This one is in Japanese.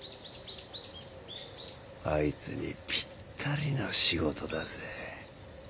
あいつにぴったりの仕事だぜ。